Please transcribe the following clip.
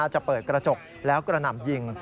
จะเปิดกระจกแล้วกระหน่ำยิง